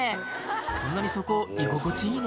そんなにそこ居心地いいの？